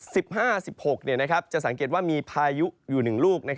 สิบหกจะสังเกตว่ามีพายุอยู่หนึ่งลูก